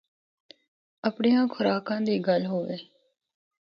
اپڑیاں خوراکاں دی گل ہوے۔